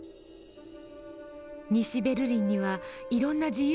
「西ベルリンにはいろんな自由がありました。